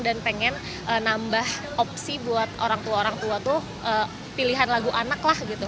dan pengen nambah opsi buat orang tua orang tua tuh pilihan lagu anak lah gitu